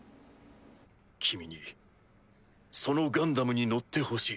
君にそのガンダムに乗ってほしい。